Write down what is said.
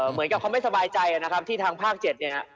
เหมือนกับเขาไม่สบายใจนะครับที่ทางภาค๗เนี่ย